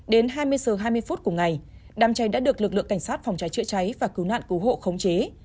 đến hai mươi h hai mươi phút cùng ngày đám cháy đã được lực lượng cảnh sát phòng cháy chữa cháy và cứu nạn cứu hộ khống chế